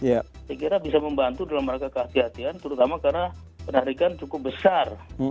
saya kira bisa membantu dalam rangka kehatian kehatian terutama karena penarikan cukup besar